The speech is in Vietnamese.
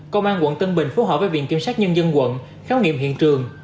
công an quận tân bình phố hỏi với viện kiểm sát nhân dân quận khéo nghiệm hiện trường